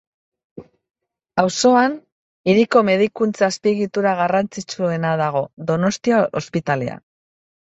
Auzoan, hiriko medikuntza azpiegitura garrantzitsuena dago, Donostia Ospitalea.